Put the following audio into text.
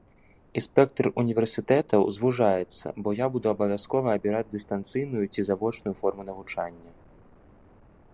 І спектр універсітэтаў звужаецца, бо я буду абавязкова абіраць дыстанцыйную ці завочную форму навучання.